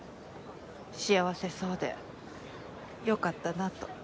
幸せそうでよかったなと。